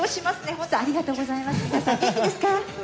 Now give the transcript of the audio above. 本当、ありがとうございます、皆さん、元気ですか？